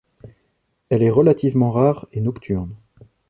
Elle est relativement rare, et nocturne.